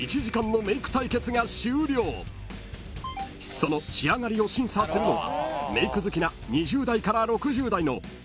［その仕上がりを審査するのは］